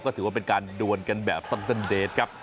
ก็ถือว่าเป็นการดวนกันแบบซันเดสครับ